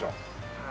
はい。